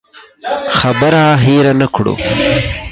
خبره هېره نه کړو.